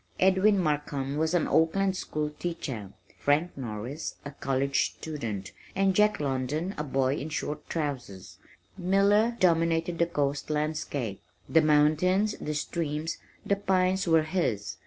Edwin Markham was an Oakland school teacher, Frank Norris, a college student, and Jack London a boy in short trousers. Miller dominated the coast landscape. The mountains, the streams, the pines were his.